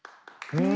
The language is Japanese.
うん！